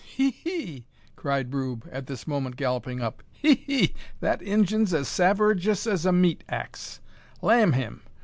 "He! he!" cried Rube, at this moment galloping up; "he! he! that Injun's as savagerous as a meat axe. Lamm him!